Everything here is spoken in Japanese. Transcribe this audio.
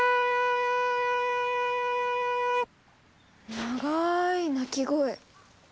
長い鳴き声。